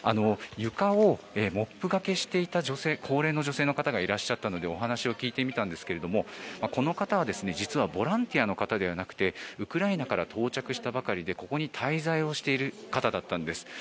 床をモップがけしていた高齢の女性の方がいらっしゃったのでお話を聞いてみたんですがこの方は実はボランティアの方ではなくてウクライナから到着したばかりでここに滞在している方だったんです。